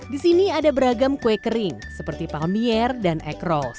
di sini ada beragam kue kering seperti palmier dan egros